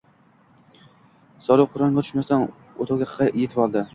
Suruv qorong‘i tushmasdan o‘tovga yetib keldi.